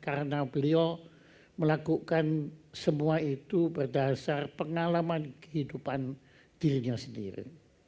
karena beliau melakukan semua itu berdasar pengalaman kehidupan dirinya sendiri